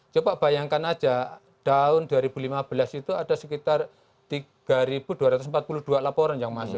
coba bayangkan aja tahun dua ribu lima belas itu ada sekitar tiga dua ratus empat puluh dua laporan yang masuk